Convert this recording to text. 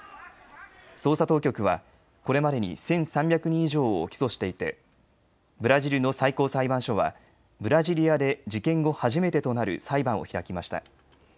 捜査当局はこれまでに１３００人以上を起訴していてブラジルの最高裁判所はブラジリアで事件後、初めてとなる裁判を開きました。